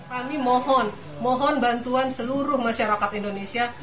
kami mohon mohon bantuan seluruh masyarakat indonesia